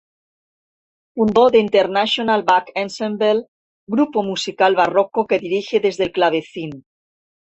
Fundó "The Internacional Bach Ensemble", grupo musical barroco que dirige desde el clavecín.